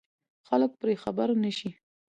خلک پرې خبر نه شي.